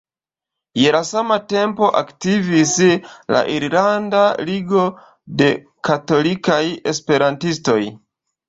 Je la sama tempo aktivis la "Irlanda Ligo de Katolikaj Esperantistoj".